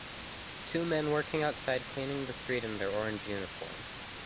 Two men working outside cleaning the street in their orange uniforms.